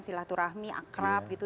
silaturahmi akrab gitu